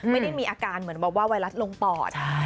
ไม่ได้มีอาการเหมือนแบบว่าไวรัสลงปอด